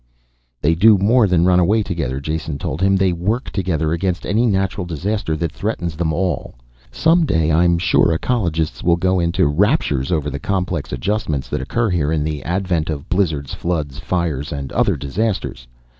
"They do more than run away together," Jason told him. "They work together against any natural disaster that threatens them all. Some day I'm sure, ecologists will go into raptures over the complex adjustments that occur here in the advent of blizzards, floods, fires and other disasters.